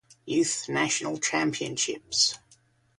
Youth National Championships.